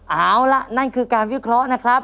เอาล่ะนั่นคือการวิเคราะห์นะครับ